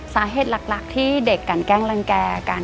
สาเหตุหลักที่เด็กกันแกล้งรังแก่กัน